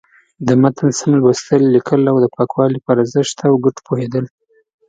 د متن سم لوستل، ليکل او د پاکوالي په ارزښت او گټو پوهېدل.